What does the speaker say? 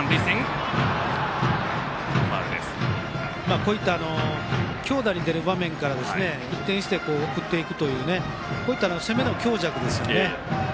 こういった強打に出る場面から一転して送っていくという攻めの強弱ですね。